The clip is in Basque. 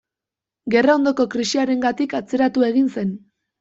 Gerra ondoko krisiarengatik atzeratu egin zen.